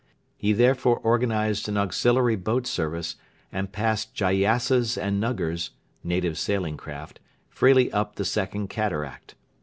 He therefore organised an auxiliary boat service and passed gyassas and nuggurs [native sailing craft] freely up the Second Cataract.